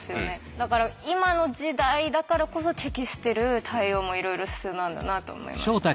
だから今の時代だからこそ適してる対応もいろいろ必要なんだなと思いましたね。